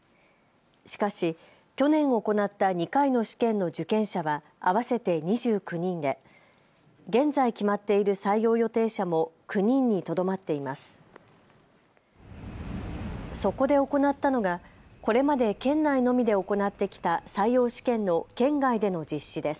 しかし去年、行った２回の試験の受験者は合わせて２９人で現在決まっている採用予定者も９人にとどまっています。